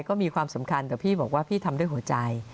ก็มีความสำคัญแต่พี่บอกว่าพี่ทำด้วยหัวใจ